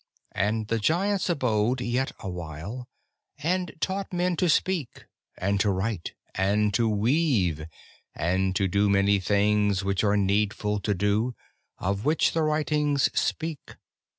And the Giants abode yet a while, and taught men to speak, and to write, and to weave, and to do many things which are needful to do, of which the writings speak.